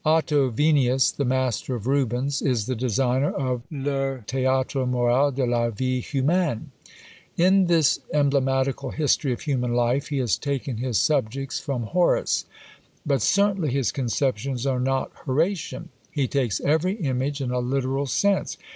OTTO VENIUS, the master of Rubens, is the designer of Le Théâtre moral de la Vie humaine. In this emblematical history of human life, he has taken his subjects from Horace; but certainly his conceptions are not Horatian. He takes every image in a literal sense.